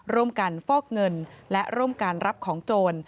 ร่วมกันฟอกเงินและร่วมการรับของโจร